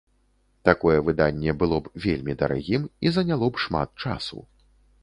Такое выданне было б вельмі дарагім і заняло б шмат часу.